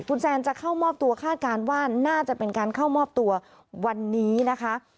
คุณแซนจะเข้ามอบตัวคาดการณ์ว่าน่าจะเป็นการเข้ามอบตัววันนี้นะคะ